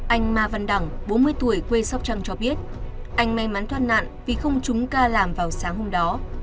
anh ma văn đẳng bốn mươi tuổi quê sóc trăng cho biết anh may mắn thoát nạn vì không chúng ta làm vào sáng hôm đó